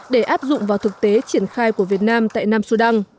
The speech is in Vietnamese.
để áp dụng vào thực tế triển khai của việt nam tại nam sudan